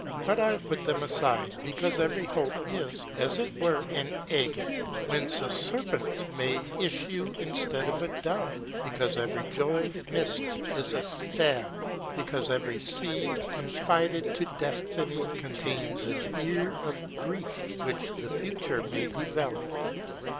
But I put them aside, because every hope is, as it were, an egg whence a serpent may issue instead of a dove, because every joy missed is a stab; because every seed con fided to destiny contains an ear of grief which the future may develop.